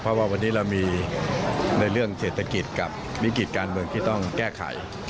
เพราะว่าวันนี้เรามีในเรื่องเศรษฐกิจกับวิกฤติการเมืองที่ต้องแก้ไข